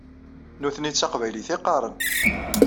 Nutni d taqbaylit i qqaṛen.